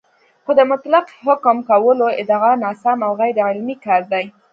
خو د مطلق حکم کولو ادعا ناسم او غیرعلمي کار دی